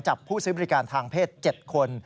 ผู้ซื้อบริการทางเพศ๗คน